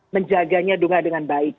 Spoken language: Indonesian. menjaganya dengan baik